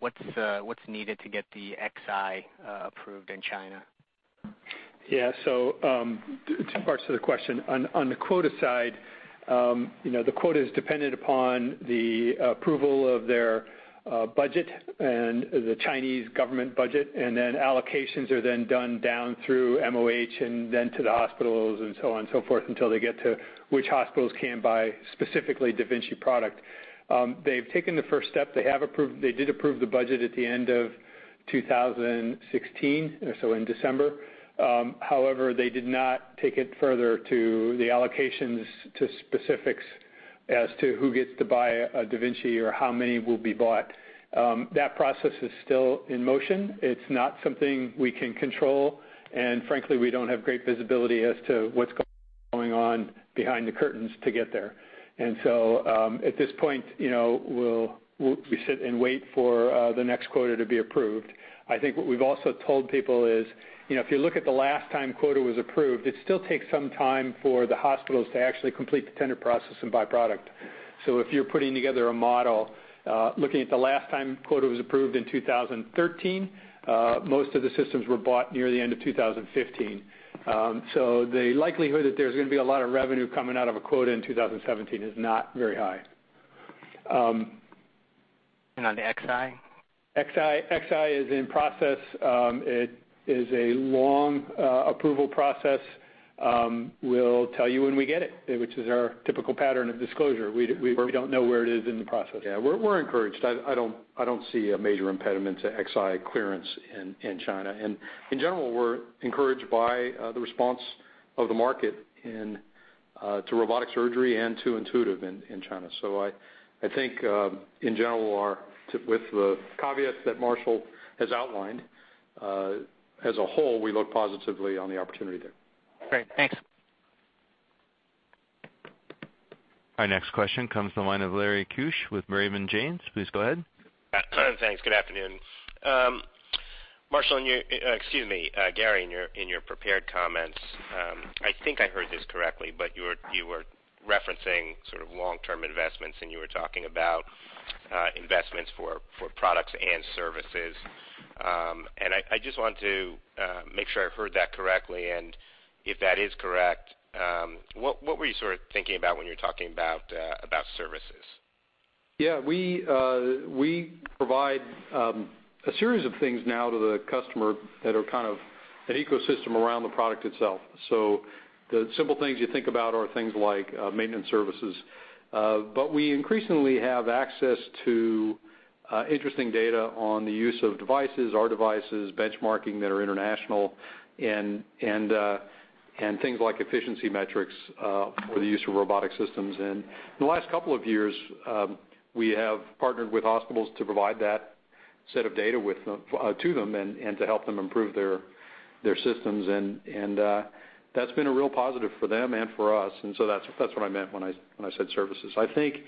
what's needed to get the Xi approved in China. Yeah. Two parts to the question. On the quota side, the quota is dependent upon the approval of their budget and the Chinese government budget, then allocations are then done down through MOH and then to the hospitals and so on and so forth until they get to which hospitals can buy, specifically da Vinci product. They've taken the first step. They did approve the budget at the end of 2016, so in December. However, they did not take it further to the allocations to specifics as to who gets to buy a da Vinci or how many will be bought. That process is still in motion. It's not something we can control, and frankly, we don't have great visibility as to what's going on behind the curtains to get there. At this point, we sit and wait for the next quota to be approved. I think what we've also told people is, if you look at the last time quota was approved, it still takes some time for the hospitals to actually complete the tender process and buy product. If you're putting together a model, looking at the last time quota was approved in 2013, most of the systems were bought near the end of 2015. The likelihood that there's going to be a lot of revenue coming out of a quota in 2017 is not very high. On the Xi? Xi is in process. It is a long approval process. We'll tell you when we get it, which is our typical pattern of disclosure. We don't know where it is in the process. Yeah, we're encouraged. I don't see a major impediment to Xi clearance in China. In general, we're encouraged by the response of the market to robotic surgery and to Intuitive in China. I think, in general, with the caveats that Marshall has outlined, as a whole, we look positively on the opportunity there. Great. Thanks. Our next question comes from the line of Larry Keusch with Raymond James. Please go ahead. Thanks. Good afternoon. Marshall, excuse me, Gary, in your prepared comments, I think I heard this correctly, you were referencing long-term investments, and you were talking about investments for products and services. I just wanted to make sure I've heard that correctly. If that is correct, what were you thinking about when you were talking about services? Yeah. We provide a series of things now to the customer that are kind of an ecosystem around the product itself. The simple things you think about are things like maintenance services. We increasingly have access to interesting data on the use of devices, our devices, benchmarking that are international, and things like efficiency metrics for the use of robotic systems. In the last couple of years, we have partnered with hospitals to provide that set of data to them and to help them improve their systems. That's been a real positive for them and for us. That's what I meant when I said services. I think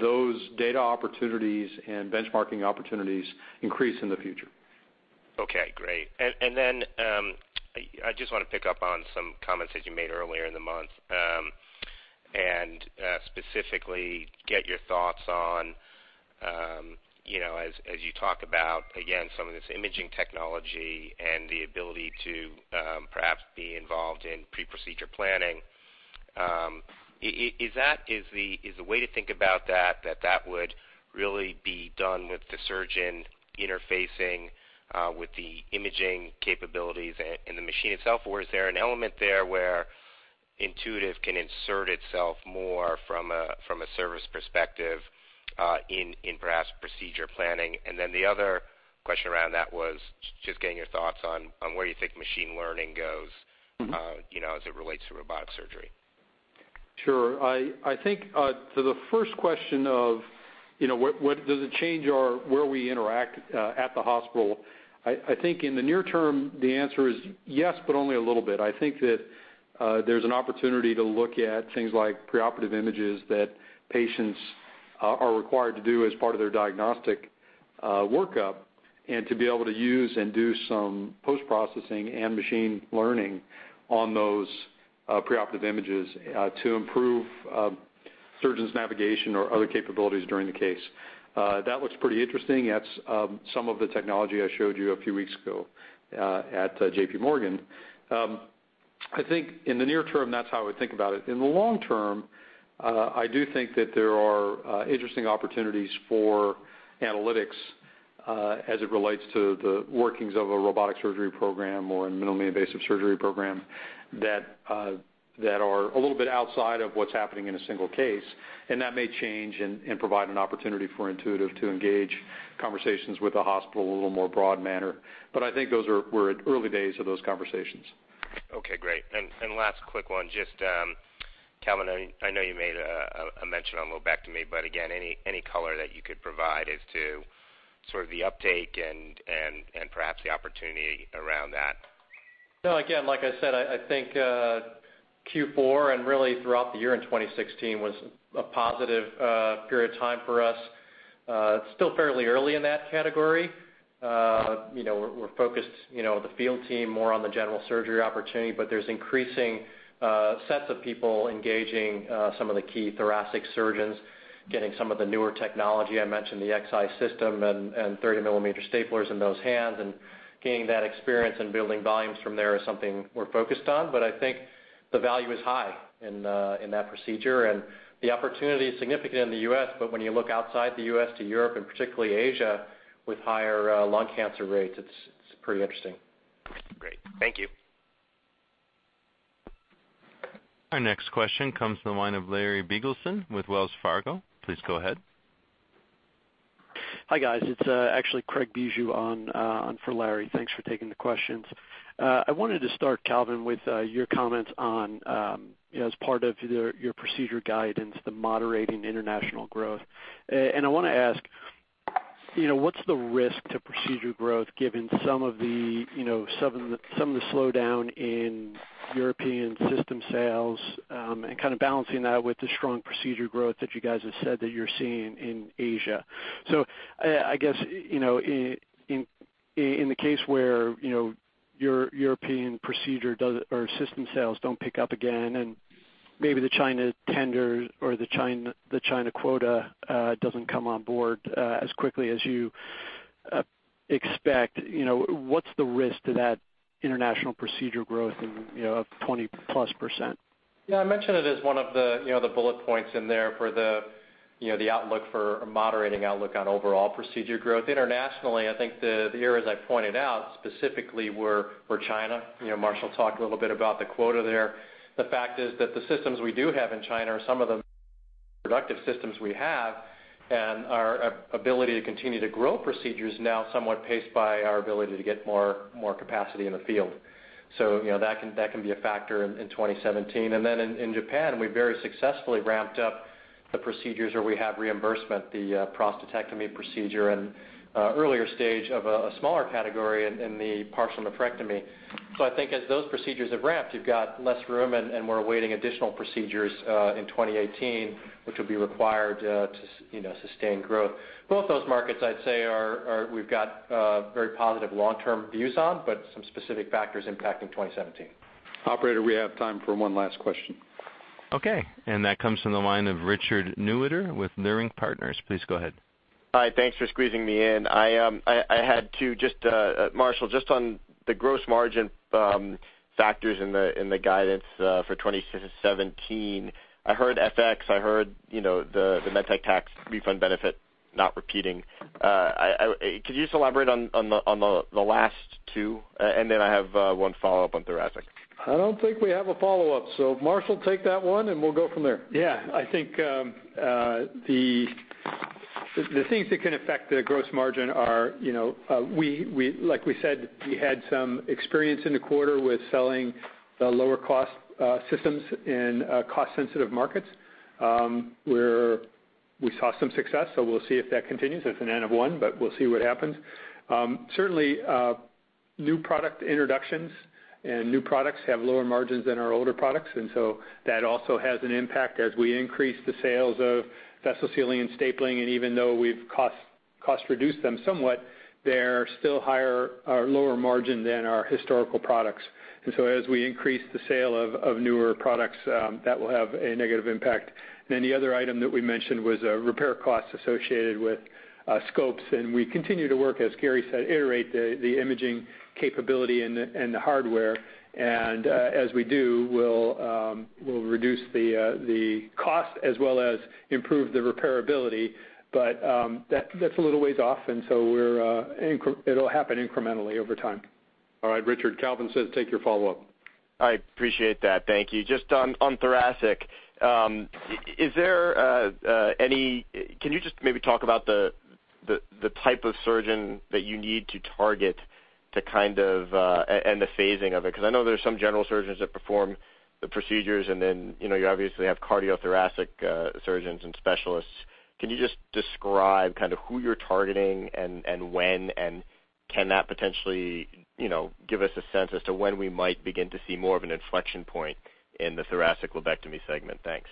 those data opportunities and benchmarking opportunities increase in the future. Okay, great. I just want to pick up on some comments that you made earlier in the month. Specifically get your thoughts on, as you talk about, again, some of this imaging technology and the ability to perhaps be involved in pre-procedure planning. Is the way to think about that that would really be done with the surgeon interfacing with the imaging capabilities in the machine itself? Or is there an element there where Intuitive can insert itself more from a service perspective in perhaps procedure planning? The other question around that was just getting your thoughts on where you think machine learning goes. As it relates to robotic surgery. Sure. I think to the first question of does it change where we interact at the hospital? I think in the near term, the answer is yes, but only a little bit. I think that there's an opportunity to look at things like preoperative images that patients are required to do as part of their diagnostic workup, and to be able to use and do some post-processing and machine learning on those preoperative images to improve surgeons' navigation or other capabilities during the case. That looks pretty interesting. That's some of the technology I showed you a few weeks ago at JPMorgan. I think in the near term, that's how I would think about it. In the long term, I do think that there are interesting opportunities for analytics as it relates to the workings of a robotic surgery program or a minimally invasive surgery program that are a little bit outside of what's happening in a single case. That may change and provide an opportunity for Intuitive to engage conversations with the hospital in a little more broad manner. I think those we're at early days of those conversations. Okay, great. Last quick one, just Calvin, I know you made a mention on lobectomy, but again, any color that you could provide as to sort of the uptake and perhaps the opportunity around that? No, again, like I said, I think Q4 and really throughout the year in 2016 was a positive period of time for us. It is still fairly early in that category. We are focused, the field team more on the general surgery opportunity, but there is increasing sets of people engaging some of the key thoracic surgeons, getting some of the newer technology. I mentioned the Xi system and 30-mm staplers in those hands and gaining that experience and building volumes from there is something we are focused on. I think the value is high in that procedure, and the opportunity is significant in the U.S., but when you look outside the U.S. to Europe and particularly Asia with higher lung cancer rates, it is pretty interesting. Great. Thank you. Our next question comes from the line of Larry Biegelsen with Wells Fargo. Please go ahead. Hi, guys. It is actually Craig Bijou on for Larry. Thanks for taking the questions. I wanted to start, Calvin, with your comments on as part of your procedure guidance, the moderating international growth. I want to ask, what is the risk to procedure growth given some of the slowdown in European system sales, and kind of balancing that with the strong procedure growth that you guys have said that you are seeing in Asia. I guess, in the case where your European procedure or system sales do not pick up again and maybe the China tenders or the China quota does not come on board as quickly as you expect, what is the risk to that international procedure growth of 20+%? I mentioned it as one of the bullet points in there for the outlook for a moderating outlook on overall procedure growth. Internationally, I think the areas I pointed out specifically were China. Marshall talked a little bit about the quota there. The fact is that the systems we do have in China are some of the productive systems we have, and our ability to continue to grow procedures now somewhat paced by our ability to get more capacity in the field. That can be a factor in 2017. In Japan, we very successfully ramped up the procedures where we have reimbursement, the prostatectomy procedure and earlier stage of a smaller category in the partial nephrectomy. I think as those procedures have ramped, you've got less room, and we're awaiting additional procedures, in 2018, which will be required to sustain growth. Both those markets, I'd say we've got very positive long-term views on, but some specific factors impacting 2017. Operator, we have time for one last question. That comes from the line of Richard Newitter with Leerink Partners. Please go ahead. Hi, thanks for squeezing me in. Marshall, just on the gross margin factors in the guidance for 2017. I heard FX, I heard the med tech tax refund benefit not repeating. Could you elaborate on the last two? I have one follow-up on thoracic. I don't think we have a follow-up, Marshall, take that one, we'll go from there. I think the things that can affect the gross margin are, like we said, we had some experience in the quarter with selling the lower cost systems in cost sensitive markets, where we saw some success. We'll see if that continues. That's an N of one, we'll see what happens. Certainly, new product introductions and new products have lower margins than our older products. That also has an impact as we increase the sales of vessel sealing and stapling. Even though we've cost reduced them somewhat, they're still lower margin than our historical products. As we increase the sale of newer products, that will have a negative impact. The other item that we mentioned was repair costs associated with scopes. We continue to work, as Gary said, iterate the imaging capability and the hardware. As we do, we'll reduce the cost as well as improve the repairability. That's a little ways off, it'll happen incrementally over time. All right, Richard. Calvin says take your follow-up. I appreciate that. Thank you. Just on thoracic, can you just maybe talk about the type of surgeon that you need to target to kind of and the phasing of it? I know there's some general surgeons that perform the procedures. You obviously have cardiothoracic surgeons and specialists. Can you just describe kind of who you're targeting and when, and can that potentially give us a sense as to when we might begin to see more of an inflection point in the thoracic lobectomy segment? Thanks.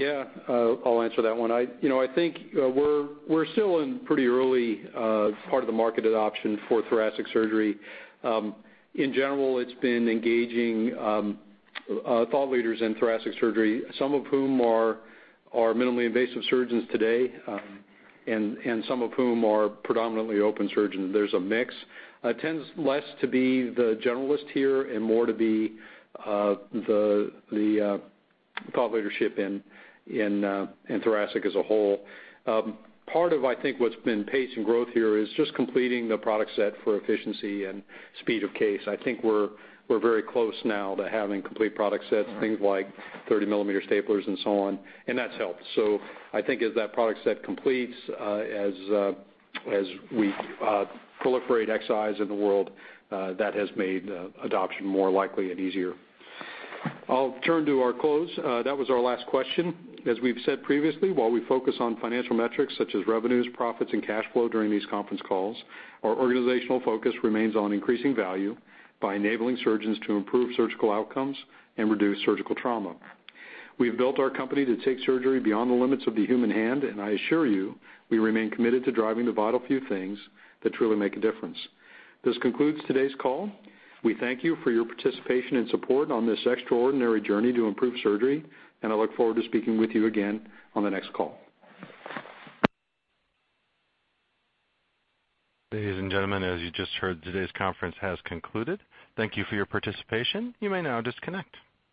I'll answer that one. I think we're still in pretty early part of the market adoption for thoracic surgery. In general, it's been engaging thought leaders in thoracic surgery, some of whom are minimally invasive surgeons today, and some of whom are predominantly open surgeons. There's a mix. It tends less to be the generalist here and more to be the thought leadership in thoracic as a whole. Part of, I think, what's been pacing growth here is just completing the product set for efficiency and speed of case. I think we're very close now to having complete product sets, things like 30 mm staplers and so on, and that's helped. I think as that product set completes, as we proliferate XIs in the world, that has made adoption more likely and easier. I'll turn to our close. That was our last question. As we've said previously, while we focus on financial metrics such as revenues, profits, and cash flow during these conference calls, our organizational focus remains on increasing value by enabling surgeons to improve surgical outcomes and reduce surgical trauma. We've built our company to take surgery beyond the limits of the human hand, and I assure you, we remain committed to driving the vital few things that truly make a difference. This concludes today's call. We thank you for your participation and support on this extraordinary journey to improve surgery, and I look forward to speaking with you again on the next call. Ladies and gentlemen, as you just heard, today's conference has concluded. Thank you for your participation. You may now disconnect.